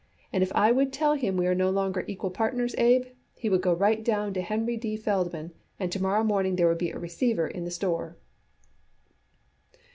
And if I would tell him we are no longer equal partners, Abe, he would go right down to Henry D. Feldman, and to morrow morning there would be a receiver in the store."